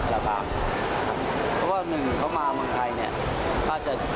เพราะว่าแต่พอเขามาบางไทยเนี่ย